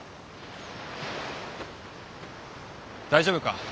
大丈夫か？